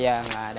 iya nggak ada